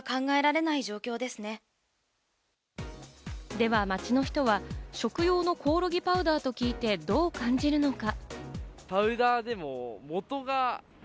では、街の人は食用のコオロギパウダーと聞いてどう感じるのか？